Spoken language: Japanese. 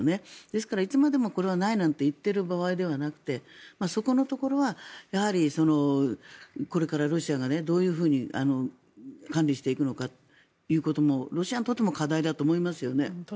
ですからいつまでもないなんて言っている場合ではなくてそこのところはこれからロシアがどういうふうに管理していくのかということもロシアにとっても課題だと思いますよね。